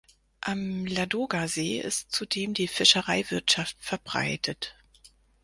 Am Ladogasee ist zudem die Fischereiwirtschaft verbreitet.